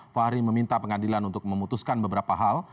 fahri meminta pengadilan untuk memutuskan beberapa hal